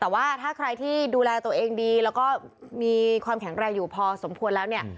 แต่ว่าถ้าใครที่ดูแลตัวเองดีแล้วก็มีความแข็งแรงอยู่พอสมควรแล้วเนี่ย